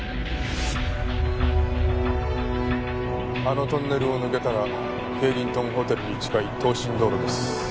あのトンネルを抜けたらケイリントンホテルに近い東神道路です。